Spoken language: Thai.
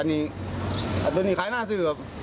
อันนี้อันตัวนี้ขายหน้าซื้อครับ